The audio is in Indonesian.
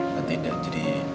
nanti dia jadi